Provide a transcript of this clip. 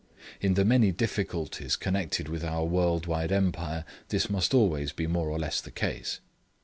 In the many difficulties connected with our world wide Empire this must always be more or less the case.